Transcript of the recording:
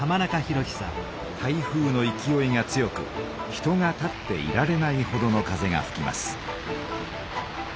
台風のいきおいが強く人が立っていられないほどの風がふきます。